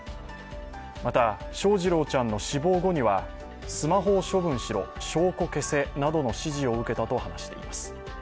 また、翔士郎ちゃんの死亡後には、スマホを処分しろ、証拠消せなどの指示を受けたと話しています。